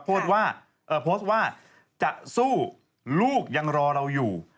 โพสต์ว่าจะสู้ลูกยังรอเราอยู่